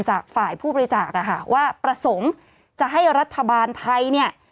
จากฝ่ายผู้บริจาคอะค่ะว่าประสงค์จะให้รัฐบาลไทยเนี่ย